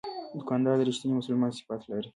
دوکاندار د رښتیني مسلمان صفات لري.